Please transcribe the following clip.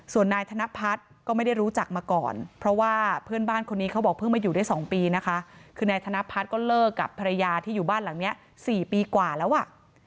ส่วนนายธนพัฒน์ก็ไม่ได้รู้จักมาก่อนเพราะว่าเพื่อนบ้านคนนี้เขาบอกเพิ่งมาอยู่ได้๒ปีนะคะคือนายธนพัฒน์ก็เลิกกับภรรยาที่อยู่บ้านหลังนี้๔ปีกว่าแล้วอ่ะ